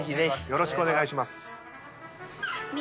よろしくお願いします。